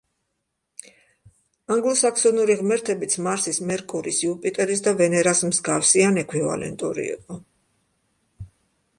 ანგლო-საქსონური ღმერთებიც მარსის, მერკურის, იუპიტერის და ვენერას მსგავსი ან ექვივალენტური იყო.